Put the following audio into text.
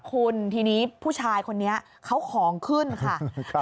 คุณทีนี้ผู้ชายคนนี้เขาของขึ้นค่ะ